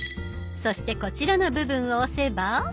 そしてこちらの部分を押せば。